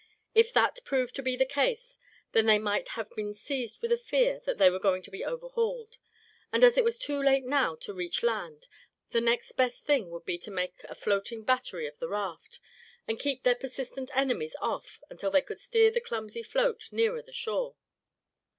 If that proved to be the case, then they might have been seized with a fear that they were going to be overhauled; and as it was too late now to reach land, the next best thing would be to make a floating battery of the raft, and keep their persistent enemies off, until they could steer the clumsy float nearer the shore.